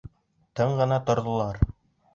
Тын ғына торҙолар.